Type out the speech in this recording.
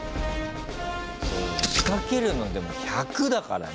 そう仕掛けるのでも１００だからね。